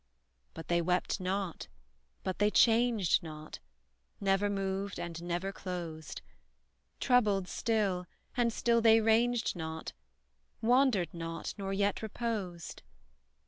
But they wept not, but they changed not, Never moved, and never closed; Troubled still, and still they ranged not Wandered not, nor yet reposed!